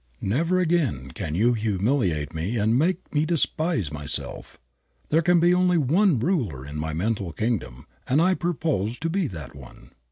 Never again can you humiliate me and make me despise myself. There can be only one ruler in my mental kingdom and I propose to be that one.